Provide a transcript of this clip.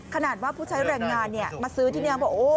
ขนาดว่าผู้ใช้แรงงานมาซื้อที่นี่บอก